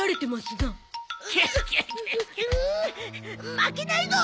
負けないぞ！